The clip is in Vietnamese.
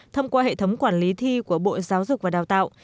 thông qua hệ thống quản lý thi của bộ giáo dục và đào tạo